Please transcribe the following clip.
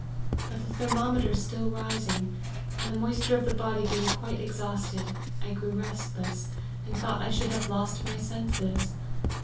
But the ther mometer still rising, and the moisture of the body being quite exhausted, I grew restless, and thought I should have lost my senses.